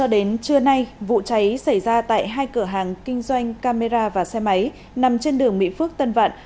đến trưa nay vụ cháy xảy ra tại hai cửa hàng kinh doanh camera và xe máy nằm trên đường mỹ phước tân vạn